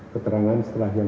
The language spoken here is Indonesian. keterangan setelah yang